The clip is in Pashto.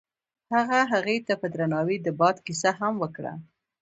هغه هغې ته په درناوي د باد کیسه هم وکړه.